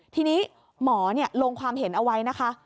ทีนี้หมอลงความเห็นเอาไว้นะคะ